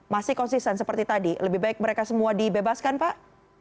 masih konsisten seperti tadi lebih baik mereka semua dibebaskan pak